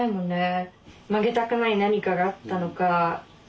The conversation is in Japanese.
曲げたくない何かがあったのか。